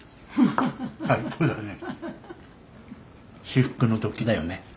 至福の時だよね。